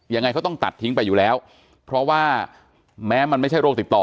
ยังไงเขาต้องตัดทิ้งไปอยู่แล้วเพราะว่าแม้มันไม่ใช่โรคติดต่อ